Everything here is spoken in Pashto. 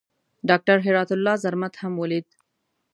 ډاکټر هرات الله زرمت هم ولید.